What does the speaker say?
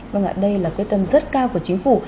vâng ạ đây là quyết tâm rất cao của chính phủ